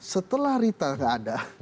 setelah rita gak ada